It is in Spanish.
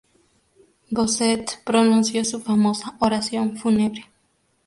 Bossuet pronunció su famosa oración fúnebre.